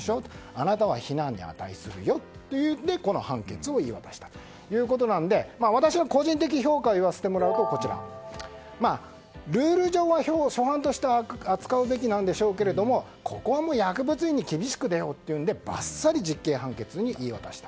あなたは非難に値するということでこの判決を言い渡したということなので私の個人的評価を言わせてもらうとルール上は初犯として扱うべきなんでしょうけどここはもう薬物に厳しく出ろということでバッサリ実刑判決を言い渡した。